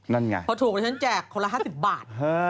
นั่นไงพอถูกดิฉันแจกคนละ๕๐บาท